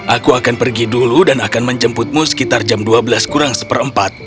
aku akan pergi dulu dan akan menjemputmu sekitar jam dua belas kurang seperempat